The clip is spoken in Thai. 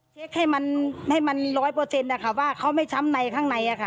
เช็คให้มัน๑๐๐ว่าเขาไม่ช้ำในข้างใน